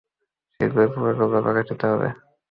শীঘ্রই পুরো গল্প প্রকাশিত হবে।